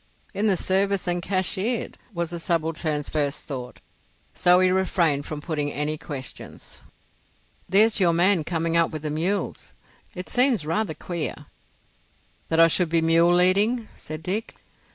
"In the service and cashiered," was the subaltern's first thought, so he refrained from putting any questions. "There's your man coming up with the mules. It seems rather queer——" "That I should be mule leading?" said Dick.